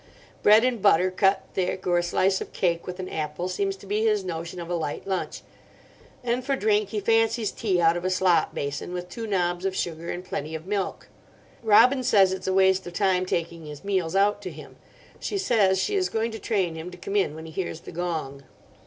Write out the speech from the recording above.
Bread and butter cut thick, or a slice of cake with an apple seems to be his notion of a light lunch; and for drink he fancies tea out of a slop basin, with two knobs of sugar and plenty of milk. Robin says it's waste of time taking his meals out to him. She says she is going to train him to come in when he hears the gong.